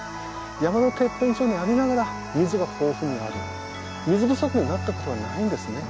山のてっぺん頂にありながら水が豊富にある水不足になったことがないんですね